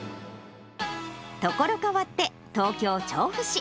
所変わって、東京・調布市。